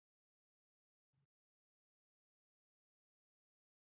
ایا د شپې لخوا درد لرئ؟